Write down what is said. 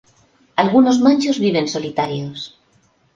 Algunos machos viven solitarios.